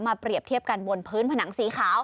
เปรียบเทียบกันบนพื้นผนังสีขาว